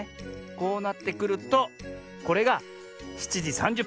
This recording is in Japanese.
こうなってくるとこれが７じ３０ぷん。